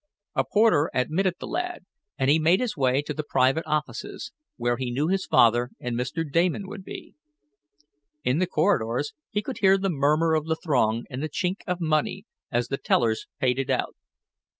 A porter admitted the lad, and he made his way to the private offices, where he knew his father and Mr. Damon would be. In the corridors he could hear the murmur of the throng and the chink of money, as the tellers paid it out.